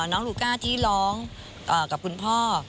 ลูกลูก้าที่ร้องกับคุณพ่อ